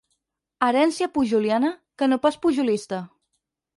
Herència pujoliana, que no pas pujolista.